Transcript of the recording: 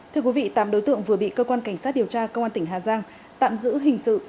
thưa quý vị tám đối tượng vừa bị cơ quan cảnh sát điều tra công an tỉnh hà giang tạm giữ hình sự